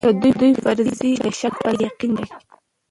د دوی فرضيې د شک پر ځای يقين دي.